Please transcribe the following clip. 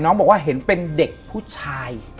บอกว่าเห็นเป็นเด็กผู้ชาย